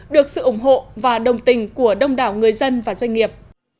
được sự ủng hộ và đồng tình của đông đảo người dân và doanh nghiệp